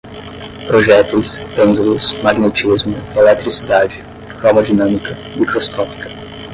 projéteis, pêndulos, magnetismo, eletricidade, cromodinâmica, microscópica